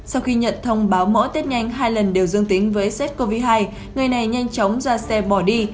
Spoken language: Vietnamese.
sau khi nhận thông báo mỗi tết nhanh hai lần đều dương tính với sars cov hai người này nhanh chóng ra xe bỏ đi